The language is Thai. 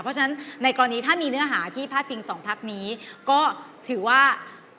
เพราะฉะนั้นในกรณีถ้ามีเนื้อหาที่พาดพิงสองพักนี้ก็ถือว่า